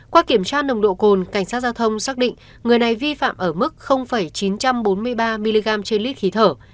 qua kiểm tra nồng độ cồn cảnh sát giao thông xác định người này vi phạm ở mức chín trăm bốn mươi ba mg trên lít khí thở